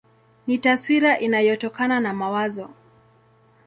Ni taswira inayotokana na mawazo.